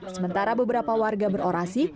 sementara beberapa warga berorasi